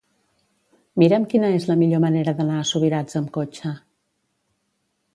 Mira'm quina és la millor manera d'anar a Subirats amb cotxe.